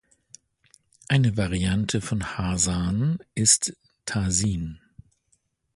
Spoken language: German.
Eine Variante von Hasan ist Tahsin.